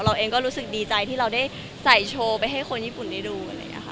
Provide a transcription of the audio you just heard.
เราเองก็รู้สึกดีใจที่เราได้ใส่โชว์ไปให้คนญี่ปุ่นได้ดู